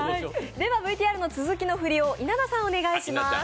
ではＶＴＲの続きのフリを稲田さん、お願いします。